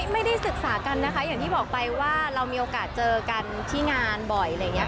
ไม่ได้ศึกษากันนะคะอย่างที่บอกไปว่าเรามีโอกาสเจอกันที่งานบ่อยอะไรอย่างนี้